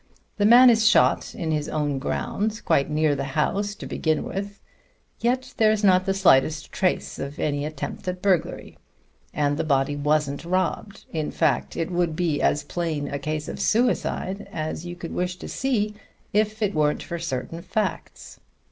The man is shot in his own grounds, quite near the house, to begin with. Yet there's not the slightest trace of any attempt at burglary. And the body wasn't robbed. In fact, it would be as plain a case of suicide as you could wish to see, if it wasn't for certain facts.